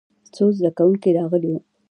څو زده کوونکي راغلي وو.